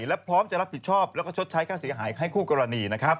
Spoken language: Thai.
และพร้อมจะรับผิดชอบและชดใช้ค่าเสียหายให้คู่กรณี